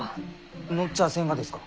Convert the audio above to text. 載っちゃあせんがですか？